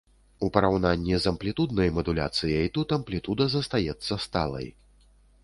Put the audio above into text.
У параўнанні з амплітуднай мадуляцыяй тут амплітуда застаецца сталай.